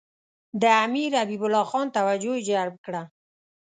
د امیر حبیب الله خان توجه یې جلب کړه.